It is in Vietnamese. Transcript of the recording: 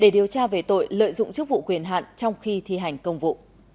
để điều tra về tội lợi dụng chức vụ quyền hạn trong khi thi hành công vụ